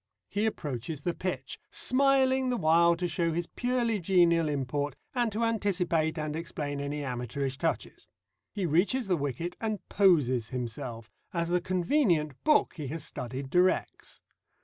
He approaches the pitch, smiling the while to show his purely genial import and to anticipate and explain any amateurish touches. He reaches the wicket and poses himself, as the convenient book he has studied directs.